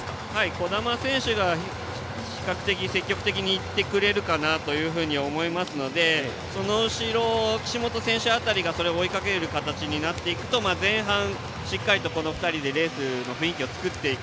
児玉選手が比較的積極的に行ってくれると思いますので、その後ろを岸本選手辺りがそれを追いかける形になっていくと前半、しっかりとこの２人でレースの雰囲気を作っていく。